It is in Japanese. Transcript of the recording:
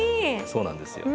そうなんですよ。